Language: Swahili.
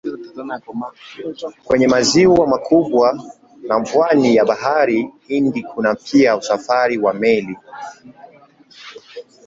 Kwenye maziwa makubwa na pwani ya Bahari Hindi kuna pia usafiri wa meli.